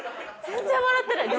全然笑ってない。